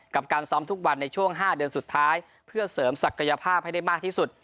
กับการซ้อมทุกวันในช่วง๕เดือนสุดท้ายเพื่อเสริมศักยภาพให้ได้มากที่สุด